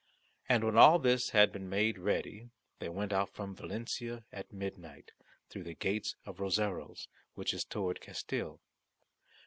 And when all this had been made ready, they went out from Valencia at midnight, through the gate of Roseros, which is towards Castille.